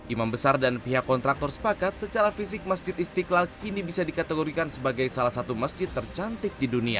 imam besar dan pihak kontraktor sepakat secara fisik masjid istiqlal kini bisa dikategorikan sebagai salah satu masjid tercantik di dunia